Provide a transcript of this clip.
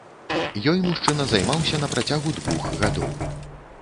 Ёй мужчына займаўся на працягу двух гадоў.